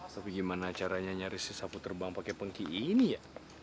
tapi gimana caranya nyari si sapu terbang pakai pengki ini ya